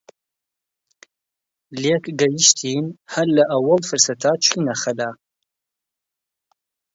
لێک گەیشتین هەر لە ئەووەڵ فرسەتا چووینە خەلا